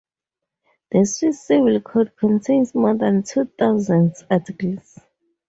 The Swiss Civil Code contains more than two thousands articles.